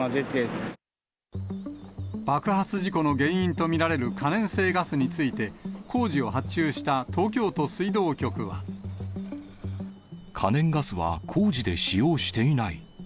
爆発事故の原因と見られる可燃性ガスについて、可燃ガスは工事で使用していない。